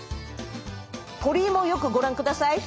鳥居もよくご覧ください。